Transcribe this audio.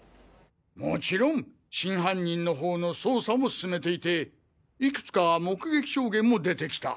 もちろん真犯人の方の捜査も進めていていくつか目撃証言も出てきた。